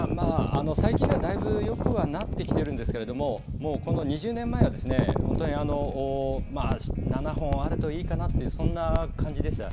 最近では、だいぶよくはなってきているんですけれどももう、この２０年前は７本あるといいかなというそんな感じでした。